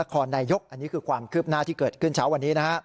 อันนี้คือความคืบหน้าที่เกิดขึ้นเช้าวันนี้